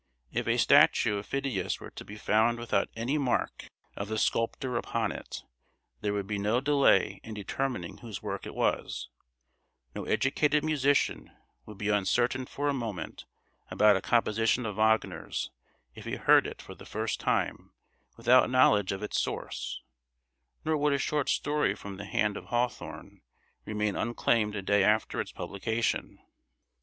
If a statue of Phidias were to be found without any mark of the sculptor upon it, there would be no delay in determining whose work it was; no educated musician would be uncertain for a moment about a composition of Wagner's if he heard it for the first time without knowledge of its source; nor would a short story from the hand of Hawthorne remain unclaimed a day after its publication.